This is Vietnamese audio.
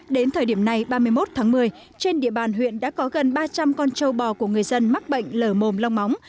đến thời điểm này ba mươi một tháng một mươi trên địa bàn huyện đã có gần ba trăm linh con trâu bò của người dân mắc bệnh lở mồm long móng